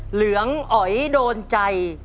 เหลืองอ๋อยโดนใจ